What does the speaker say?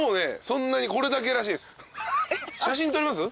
そんなにこれだけらしいです。